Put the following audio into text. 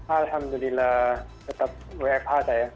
alhamdulillah tetap wfh saya